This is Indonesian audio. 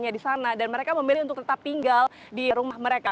dan mereka memilih untuk tetap tinggal di rumah mereka